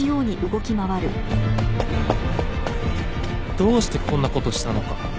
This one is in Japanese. どうしてこんなことしたのか。